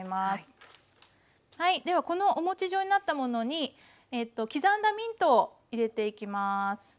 はいではこのおもち状になったものに刻んだミントを入れていきます。